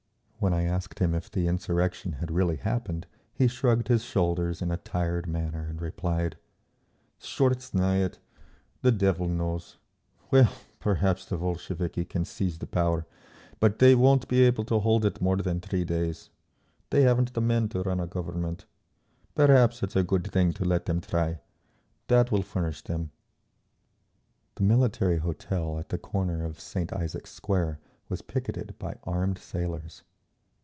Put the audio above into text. When I asked him if the insurrection had really happened he shrugged his shoulders in a tired manner and replied, "Tchort znayet! The devil knows! Well, perhaps the Bolsheviki can seize the power, but they won't be able to hold it more than three days. They haven't the men to run a government. Perhaps it's a good thing to let them try—that will furnish them…." The Military Hotel at the corner of St. Isaac's Square was picketed by armed sailors.